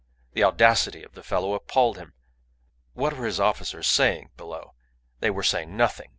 The audacity of the fellow appalled him. What were his officers saying below? They were saying nothing.